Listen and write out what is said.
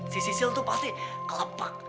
si sisil tuh pasti kelapak